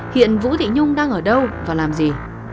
hiện vũ thị nhung đang ở đâu và làm gì